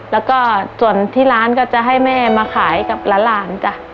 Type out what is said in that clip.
แล้วก็ส่วนที่ร้านก็จะให้แม่มาขายกับหลานจ้ะ